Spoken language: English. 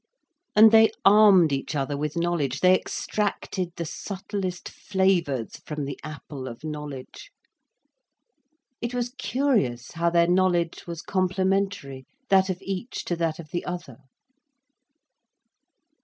And they armed each other with knowledge, they extracted the subtlest flavours from the apple of knowledge. It was curious how their knowledge was complementary, that of each to that of the other.